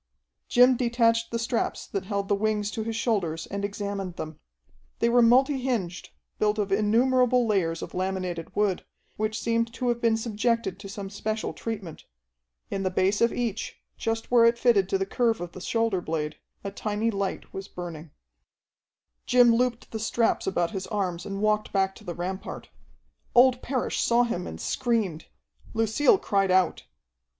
Jim detached the straps that held the wings to his shoulders and examined them. They were multi hinged, built of innumerable layers of laminated wood, which seemed to have been subjected to some special treatment. In the base of each, just where it fitted to the curve of the shoulder blade, a tiny light was burning. Jim looped the straps about his arms and walked back to the rampart. Old Parrish saw him and screamed. Lucille cried out.